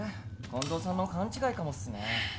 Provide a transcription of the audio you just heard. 近藤さんの勘違いかもっすね。